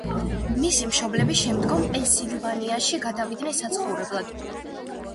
მისი მშობლები შემდგომ, პენსილვანიაში გადავიდნენ საცხოვრებლად.